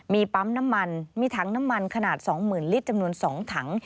มีปั๊มน้ำมันมีถังน้ำมันขนาด๒๐๐๐ลิตรจำนวน๒ถัง